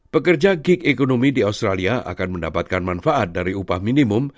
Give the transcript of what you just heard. pekerja gig economy di australia akan mendapatkan manfaat dari upah minimum